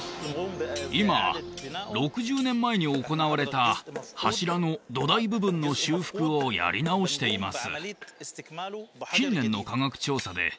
今６０年前に行われた柱の土台部分の修復をやり直しています